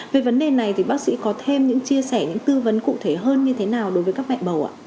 về vấn đề này bác sĩ có thêm chia sẻ những tư vấn cụ thể hơn như thế nào đối với các mẹ bầu